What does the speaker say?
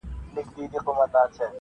مرگ موش دئ نوم پر ايښى دهقانانو-